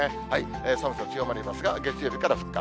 寒さ強まりますが、月曜日から復活。